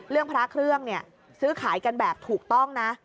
พระเครื่องซื้อขายกันแบบถูกต้องนะ